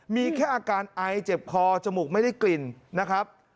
มีแค่อาการไอเจ็บคอจมูกไม่ได้กลิ่นนะครับ